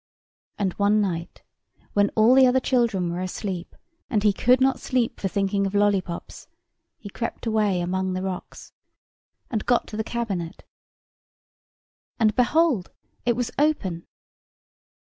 And one night, when all the other children were asleep, and he could not sleep for thinking of lollipops, he crept away among the rocks, and got to the cabinet, and behold! it was open.